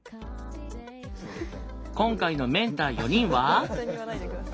今回のメンター４人は。